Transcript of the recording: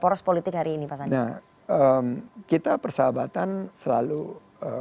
nah kita persahabatan selalu eee